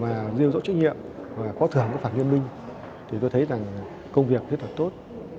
mà rêu rõ trách nhiệm và có thưởng các phản ứng minh thì tôi thấy rằng công việc rất là tốt